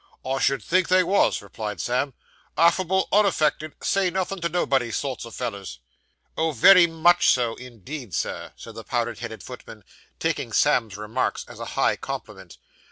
'I should think they wos,' replied Sam. 'Affable, unaffected, say nothin' to nobody sorts o' fellers.' 'Oh, very much so, indeed, sir,' said the powdered headed footman, taking Sam's remarks as a high compliment.